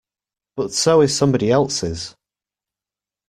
But so is somebody else's.